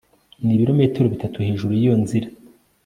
Nibirometero bitatu hejuru yiyo nzira